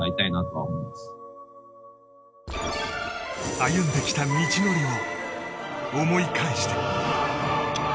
歩んできた道のりを思い返して。